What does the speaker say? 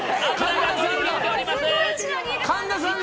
神田さんが。